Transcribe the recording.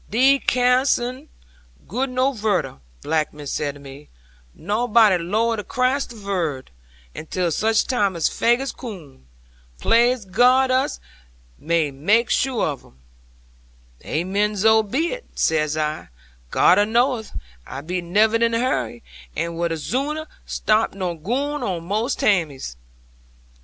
'"Thee cas'n goo no vurder," Bill Blacksmith saith to me: "nawbody 'lowed to crass the vord, until such time as Faggus coom; plaise God us may mak sure of 'un." '"Amen, zo be it," says I; "God knoweth I be never in any hurry, and would zooner stop nor goo on most taimes."